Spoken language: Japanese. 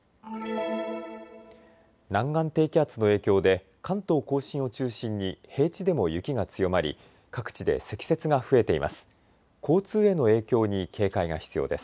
南岸低気圧の影響で関東甲信を中心に平地でも雪が強まり各地で積雪が増えています。